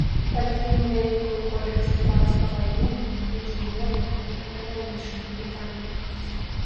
Пакінуў вялікую колькасць прац па ваенных, інжынерных і эканамічных пытаннях.